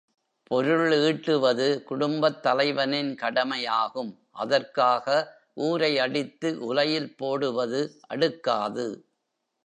பொருள் ஈட்டுவது குடும்பத் தலைவனின் கடமையாகும் அதற்காக ஊரை அடித்து உலையில் போடுவது அடுக்காது.